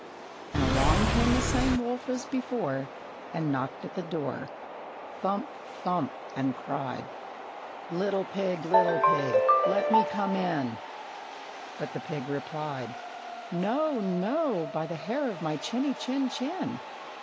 And along came the same wolf as before, And knocked at the door, Thump, thump, and cried, "Little pig, little pig, let me come in!" But the pig replied, "No, no, by the hair of my chinny, chin, chin!"